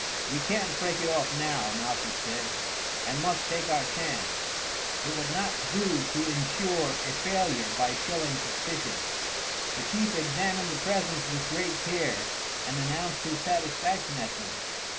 "We can't break it off now," Malchus said, "and must take our chance. It would not do to ensure a failure by showing suspicion." The chief examined the presents with great care and announced his satisfaction at them.